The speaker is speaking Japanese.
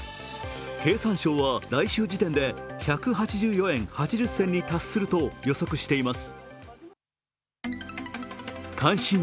経産省は来週時点で１８４円８０銭に達すると予測しています。